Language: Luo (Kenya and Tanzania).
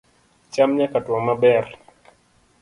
cham nyaka tuwo maber